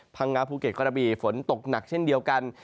พังงาภูเก็ตกระบีฝนตกหนักเช่นเดียวกัน